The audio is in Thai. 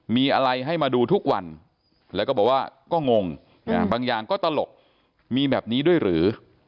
มีอะไรให้มาดูทุกวันแล้วก็บอกว่าก็งงบางอย่างก็ตลกมีแบบนี้ด้วยหรือ